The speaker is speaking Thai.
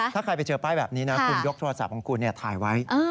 ถ้าใครไปเจอป้ายแบบนี้นะคุณยกโทรศัพท์ของคุณถ่ายไว้